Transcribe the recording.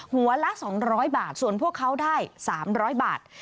หัวละ๒๐๐บาทส่วนพวกเขาได้๓๐๐บาท